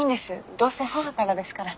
どうせ母からですから。